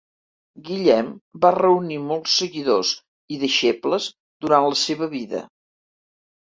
Guillem va reunir molts seguidors i deixebles durant la seva vida.